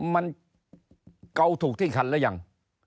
มันเกาถูกที่คันหรือยัง